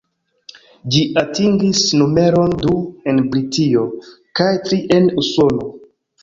Ĝi atingis numeron du en Britio, kaj tri en Usono.